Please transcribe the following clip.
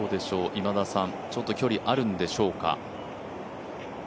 ちょっと距離あるんでしょうか。